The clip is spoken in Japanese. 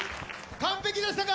完璧でしたか？